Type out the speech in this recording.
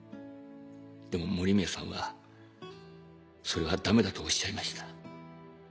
でも森宮さんはそれはダメだとおっしゃいました。